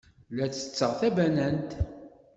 La ttetteɣ tabanant.